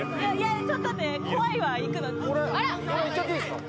ちょっと待っていっちゃっていいすか？